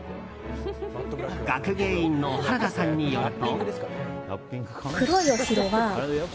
学芸員の原田さんによると。